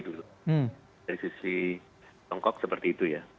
dari sisi tiongkok seperti itu ya